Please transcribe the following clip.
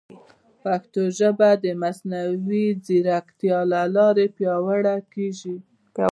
پښتو ژبه د مصنوعي ځیرکتیا له لارې پیاوړې کیږي.